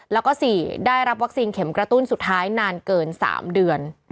แล้วก็๔ได้รับวัคซีนเข็มกระตุ้นสุดท้ายนานเกิน๓เดือน